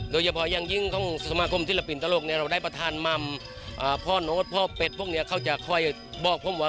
โดยเฉพาะอย่างยิ่งของสมาคมศิลปินตลกเนี่ยเราได้ประธานมัมพ่อโน้ตพ่อเป็ดพวกนี้เขาจะค่อยบอกผมว่า